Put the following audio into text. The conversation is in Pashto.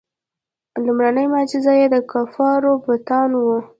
لومړنۍ معجزه یې د کفارو بتان وو.